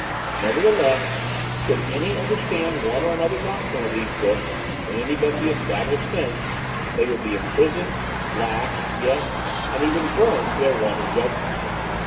Nevertheless, should any understand one or another doctrine of these books in any but the established sense, they would be imprisoned, lashed, yes, and even burned for their want of judgment.